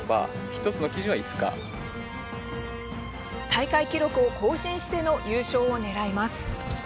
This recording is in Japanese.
大会記録を更新しての優勝をねらいます。